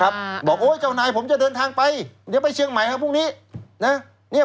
บอกเจ้านายผมจะเดินทางไปเดี๋ยวไปเชียงใหม่ครับพรุ่งนี้